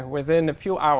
ví dụ như